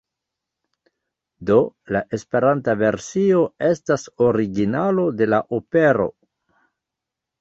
Do la Esperanta versio estas originalo de la opero.